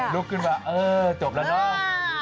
ลุกขึ้นมาเออจบแล้วเนาะ